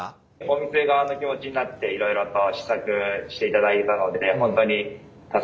お店側の気持ちになっていろいろと試作していただいたので本当に助かりました。